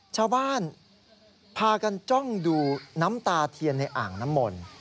ชาวบ้านพากันจ้องดูน้ำตาเทียนในอ่างน้ำมนต์